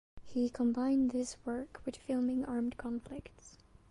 He combined this work with filming armed conflicts.